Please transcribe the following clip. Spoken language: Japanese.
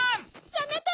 やめて！